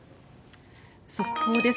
速報です。